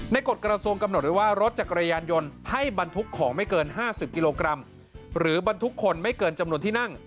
กฎกระทรวงกำหนดไว้ว่ารถจักรยานยนต์ให้บรรทุกของไม่เกิน๕๐กิโลกรัมหรือบรรทุกคนไม่เกินจำนวนที่นั่ง